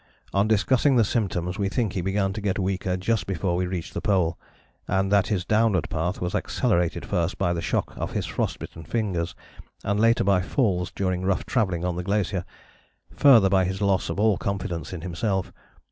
On discussing the symptoms we think he began to get weaker just before we reached the Pole, and that his downward path was accelerated first by the shock of his frost bitten fingers, and later by falls during rough travelling on the glacier, further by his loss of all confidence in himself.